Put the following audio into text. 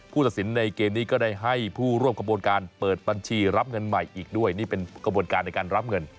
ตัดสินในเกมนี้ก็ได้ให้ผู้ร่วมกระบวนการเปิดบัญชีรับเงินใหม่อีกด้วยนี่เป็นกระบวนการในการรับเงิน